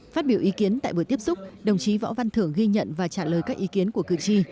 phát biểu ý kiến tại buổi tiếp xúc đồng chí võ văn thưởng ghi nhận và trả lời các ý kiến của cử tri